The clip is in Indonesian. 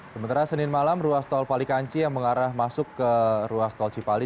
sementara senin malam ruas tol palikanci yang mengarah masuk ke ruas tol cipali